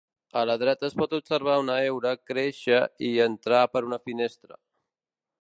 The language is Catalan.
A la dreta es pot observar una heura créixer i entrar per una finestra.